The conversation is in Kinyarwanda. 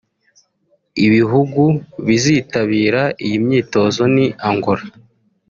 Ibihugu bizitabira iyi myitozo ni Angola